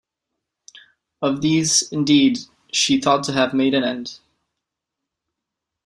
Of these, indeed, she thought to have made an end.